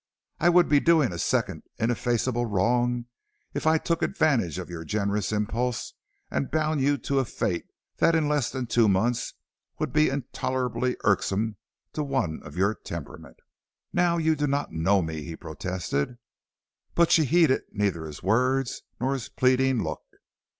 I would be doing a second ineffaceable wrong if I took advantage of your generous impulse and bound you to a fate that in less than two months would be intolerably irksome to one of your temperament." "Now you do not know me," he protested. But she heeded neither his words nor his pleading look.